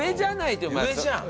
上じゃん！